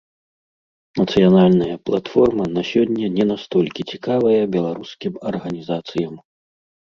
Нацыянальная платформа на сёння не настолькі цікавая беларускім арганізацыям.